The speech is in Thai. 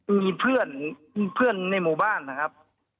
มีเพื่อนในหมู่บ้านนะครับ